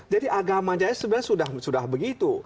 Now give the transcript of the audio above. jadi agama jaya sudah begitu